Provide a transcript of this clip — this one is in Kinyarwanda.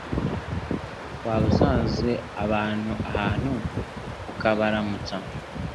waba usanze abantu ahantu ukabaramutsa